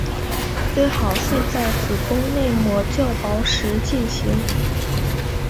最好是在子宫内膜较薄时进行。